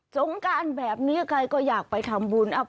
สงการแบบนี้ใครก็อยากไปทำบุญ